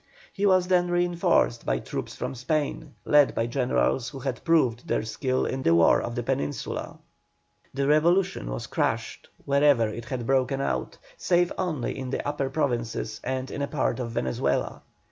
He was then reinforced by troops from Spain, led by generals who had proved their skill in the War of the Peninsula. The revolution was crushed wherever it had broken out, save only in the United Provinces and in a part of Venezuela.